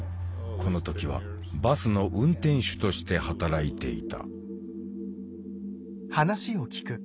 この時はバスの運転手として働いていた。